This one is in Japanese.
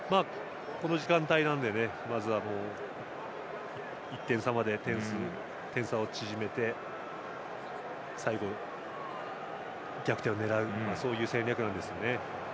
この時間帯なので１点差まで点差を縮めて最後、逆転を狙うという戦略ですね。